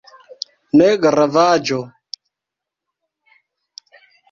Ne gravaĵo!